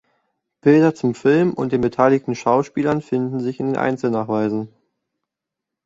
Bilder zum Film und den beteiligten Schauspielern finden sich in den Einzelnachweisen.